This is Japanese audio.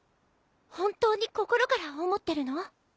本当に心から思ってるの？